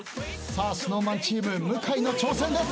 ＳｎｏｗＭａｎチーム向井の挑戦です。